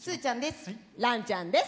ランちゃんです。